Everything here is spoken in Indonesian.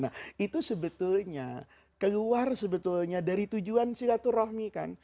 nah itu sebetulnya keluar sebetulnya dari tujuan silaturahmi kan